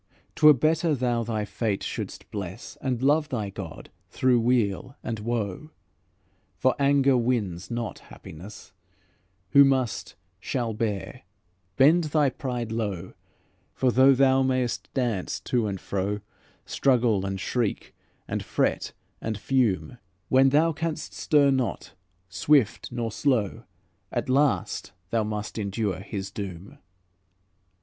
'T were better thou thy fate shouldst bless, And love thy God, through weal and woe; For anger wins not happiness; Who must, shall bear; bend thy pride low; For though thou mayst dance to and fro, Struggle and shriek, and fret and fume, When thou canst stir not, swift nor slow, At last, thou must endure His doom."